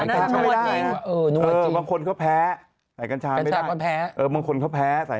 ในการชาแหละ